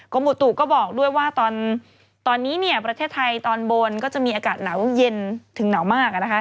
อุตุก็บอกด้วยว่าตอนนี้ประเทศไทยตอนบนก็จะมีอากาศหนาวเย็นถึงหนาวมาก